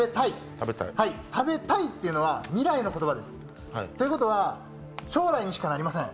食べたいっていうのは未来の言葉です。ということは将来にしかなりません。